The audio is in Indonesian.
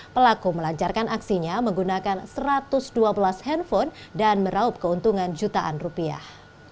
pelaku melancarkan aksinya menggunakan satu ratus dua belas handphone dan meraup keuntungan jutaan rupiah